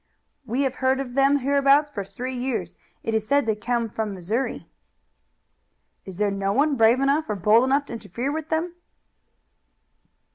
"We have heard of them hereabouts for three years. It is said they came from Missouri." "Is there no one brave enough or bold enough to interfere with them?"